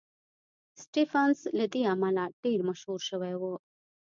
سټېفنس له دې امله ډېر مشهور شوی و